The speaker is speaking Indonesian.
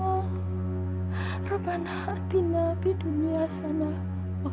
ahya apakah aku menganggurkanmu argh elaborat welu